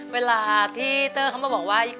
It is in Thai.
เวลาที่เตอร์เขามาบอกว่า